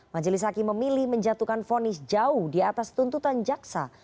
majelis hakim memilih menjatuhkan fonis jauh di atas tuntutan jaksa